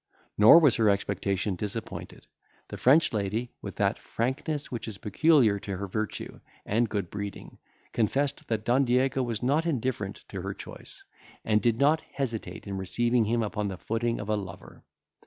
Nor was her expectation disappointed. The French lady, with that frankness which is peculiar to virtue and good breeding, confessed that Don Diego was not indifferent to her choice, and did not hesitate in receiving him upon the footing of a lover.